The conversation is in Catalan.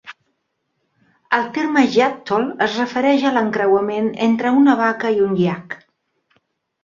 El terme yattle es refereix a l'encreuament entre una vaca i un iac.